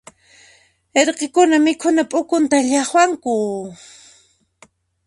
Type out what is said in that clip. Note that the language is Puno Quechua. Irqikuna mikhuna p'ukunkuta llaqwanku.